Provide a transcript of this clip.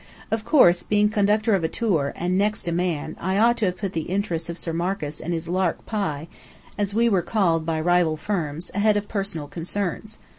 Of course, being Conductor of a tour, and next a man, I ought to have put the interests of Sir Marcus and his "Lark Pie" (as we were called by rival firms) ahead of personal concerns.